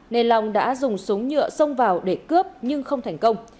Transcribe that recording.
nên long đã dùng súng nhựa xông vào để cướp nhưng không thành công